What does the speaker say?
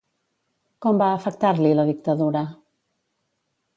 Com va afectar-li la dictadura?